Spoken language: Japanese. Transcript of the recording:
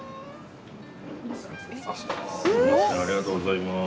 すみませんありがとうございます。